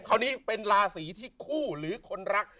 คราวนี้เป็นราศีที่คู่หรือคนรัก